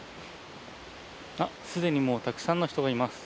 すでにもう、たくさんの人がいます。